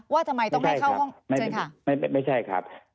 ว่าทำไมต้องให้เข้าห้องไม่ใช่ครับ